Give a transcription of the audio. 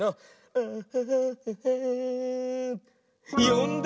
よんだ？